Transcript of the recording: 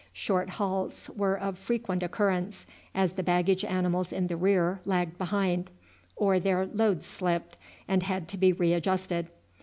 Short halts were of frequent occurrence, as the baggage animals in the rear lagged behind, or their loads slipped, and had to be readjusted.